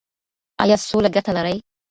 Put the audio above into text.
ایا سوله ګټه لري؟